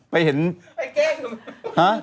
ไปเห็นแก้งเหรอ